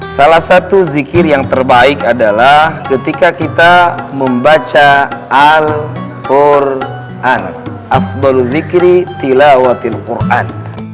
salah satu zikir yang terbaik adalah ketika kita membaca al qur'an afbal zikri tilawatil qur'an